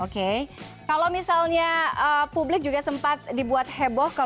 oke kalau misalnya publik juga sempat dibuat heboh